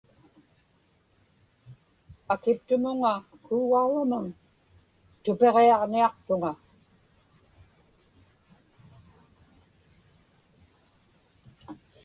akiptumuŋa kuugauramun tupiġiaġniaqtuŋa